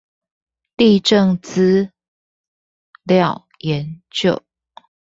地政資料研究